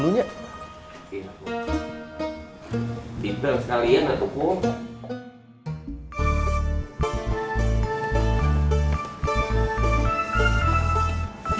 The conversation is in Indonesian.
tidak sekalian ya tufu